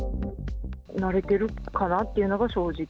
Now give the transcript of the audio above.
慣れてるかなっていうのが正直。